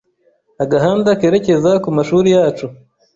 agahanda kerekeza ku mashuri yacu